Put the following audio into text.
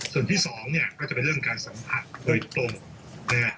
ส่วนที่สองเนี่ยก็จะเป็นเรื่องการสัมผัสโดยตรงนะฮะ